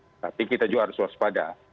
tidak tapi kita juga harus waspada